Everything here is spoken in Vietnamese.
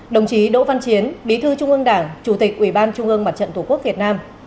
đồng chí đỗ văn chiến bí thư trung ương đảng chủ tịch ủy ban trung ương mặt trận tổ quốc việt nam